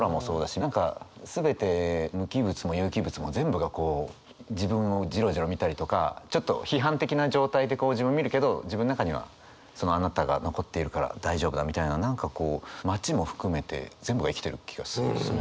何か全て無機物も有機物も全部がこう自分をジロジロ見たりとかちょっと批判的な状態でこう自分見るけど自分の中にはそのあなたが残っているから大丈夫だみたいな何かこう街も含めて全部が生きてる気がするんですよ。